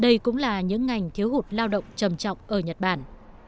đây cũng là những ngành thiếu hụt lao động trầm trọng ở nhật bản